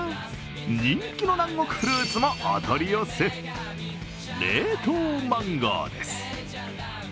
人気の南国フルーツもお取り寄せ、冷凍マンゴーです。